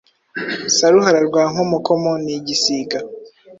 Saruhara rwa Nkomokomo ni igisiga